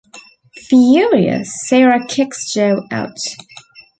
Furious, Sara kicks Joe out.